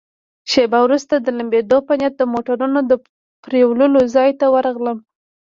شیبه وروسته د لمبېدو په نیت د موټرونو د پرېولو ځای ته ورغلم.